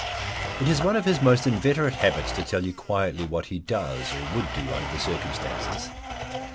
It is one of his most inveterate habits to tell you quietly what he does, or would do under the circumstances.